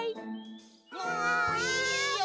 もういいよ。